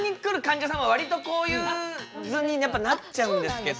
んじゃさんは割とこういう図にやっぱなっちゃうんですけど。